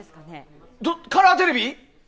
カラーテレビ？